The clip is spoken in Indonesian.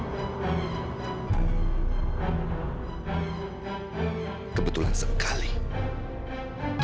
dan saya juga akan menangkap ayah